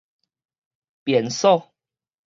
便所